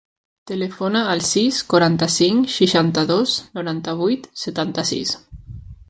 Telefona al sis, quaranta-cinc, seixanta-dos, noranta-vuit, setanta-sis.